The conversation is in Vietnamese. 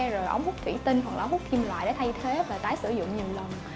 rồi ống hút thủy tinh hoặc ống hút kim loại để thay thế và tái sử dụng nhiều lần